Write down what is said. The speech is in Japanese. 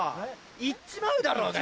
行っちまうだろうが！